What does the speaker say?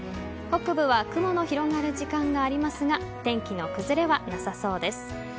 北部は雲の広がる時間がありますが天気の崩れはなさそうです。